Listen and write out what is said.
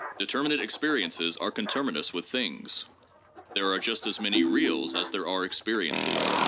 Determinate experiences are conterminous with things. There are just as many reals as there are experiences.